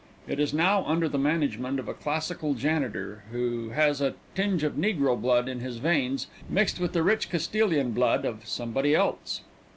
It is now under the management of a classical janitor, who has a tinge of negro blood in his veins, mixed with the rich Castilian blood of somebody else.